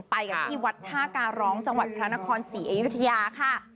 ไปกันที่วัดท่าการร้องจังหวัดพระนครศรีอยุธยาค่ะ